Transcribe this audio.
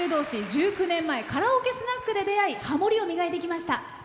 １９年前、カラオケスナックで出会い、ハモりを磨いてきました。